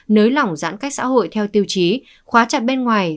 nới lỏng giãn cách xã hội theo tiêu chí khóa chặt bên ngoài